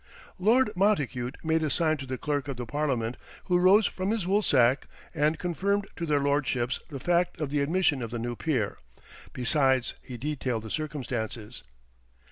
Lord Montacute made a sign to the Clerk of the Parliament, who rose from his woolsack, and confirmed to their lordships the fact of the admission of the new peer. Besides, he detailed the circumstances.